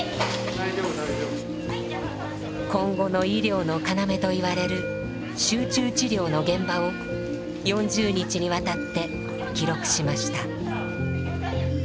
今後の医療の要といわれる集中治療の現場を４０日にわたって記録しました。